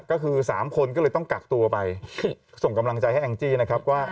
ก็คือ๓คนก็เลยต้องกักตัวไปส่งกำลังใจให้แองจี้นะครับว่า